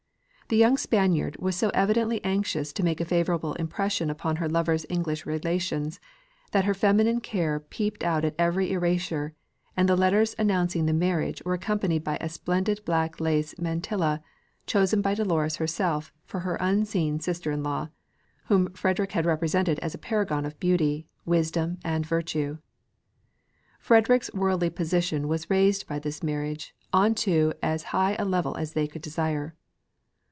The young Spaniard was so evidently anxious to make a favourable impression upon her lover's English relations, that her feminine care peeped out at every erasure; and the letters announcing the marriage, were accompanied by a splendid black lace mantilla, chosen by Dolores herself for her unseen sister in law, whom Frederick had represented as a paragon of beauty, wisdom and virtue. Frederick's worldly position was raised by this marriage on to as high a level as they could desire.